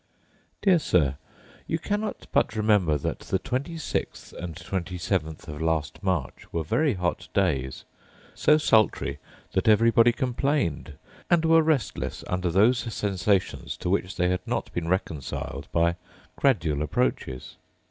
Dear Sir, You cannot but remember that the twenty sixth and twenty seventh of last March were very hot days; so sultry that everybody complained and were restless under those sensations to which they had not been reconciled by gradual approaches.